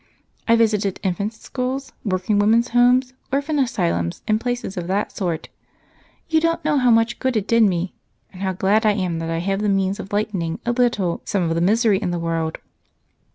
I visited infant schools, working women's homes, orphan asylums, and places of that sort. You don't know how much good it did me and how glad I am that I have the means of lightening a little some of the misery in the world."